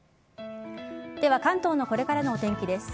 では関東のこれからのお天気です。